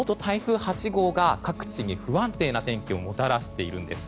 各地に不安定な天気をもたらしているんです。